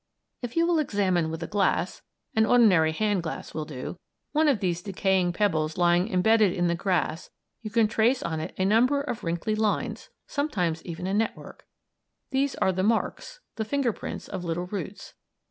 If you will examine with a glass an ordinary hand glass will do one of these decaying pebbles lying embedded in the grass you can trace on it a number of wrinkly lines sometimes even a network. These are the marks, the "finger prints," of little roots.